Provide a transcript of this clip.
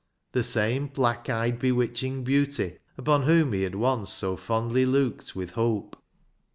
The same black eyed, bewitching beauty upon whom he had once so fondly looked with hope.